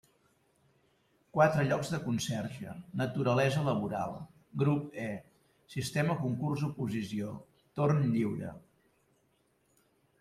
Quatre llocs de conserge, naturalesa laboral, grup E, sistema concurs oposició, torn lliure.